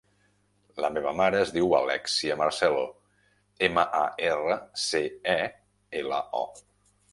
La meva mare es diu Alèxia Marcelo: ema, a, erra, ce, e, ela, o.